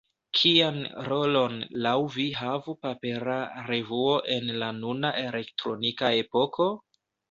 Kian rolon laŭ vi havu papera revuo en la nuna elektronika epoko?